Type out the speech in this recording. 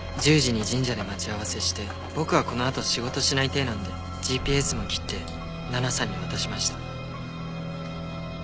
１０時に神社で待ち合わせして僕はこのあと仕事しない体なんでＧＰＳも切って奈々さんに渡しました。